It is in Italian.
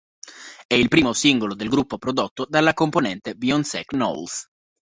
È il primo singolo del gruppo prodotto dalla componente Beyoncé Knowles.